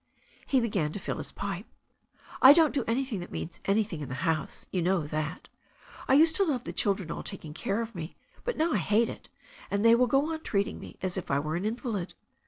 He began to fill his pipe. "I don't do anything that means anything in the house— you know that. I used to love the children all taking care of me, but now I hate it, and they will go on treating me as if I were an invalid.